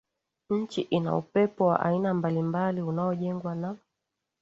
Nchi ina upepo wa aina mbalimbali unaojengwa na